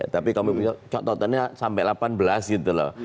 tapi kami punya catatannya sampai delapan belas gitu loh